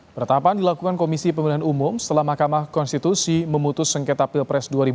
penetapan dilakukan komisi pemilihan umum setelah mahkamah konstitusi memutus sengketa pilpres dua ribu sembilan belas